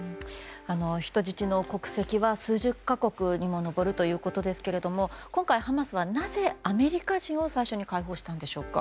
人質の国籍は数十か国に上るということですが今回、ハマスはなぜアメリカ人を最初に解放したんでしょうか？